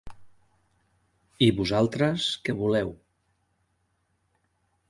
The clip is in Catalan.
I vosaltres què voleu?